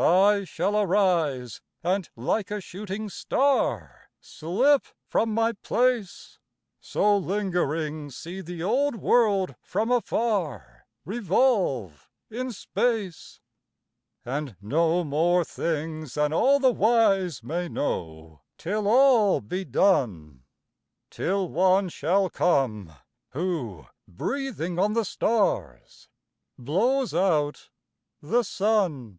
I shall arise, and like a shooting star Slip from my place; So lingering see the old world from afar Revolve in space. And know more things than all the wise may know Till all be done; Till One shall come who, breathing on the stars, Blows out the sun.